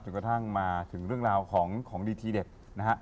กระทั่งมาถึงเรื่องราวของดีทีเด็ดนะฮะ